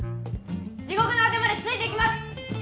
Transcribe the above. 地獄の果てまでついていきます！